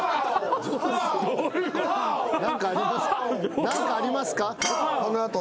何かありますか？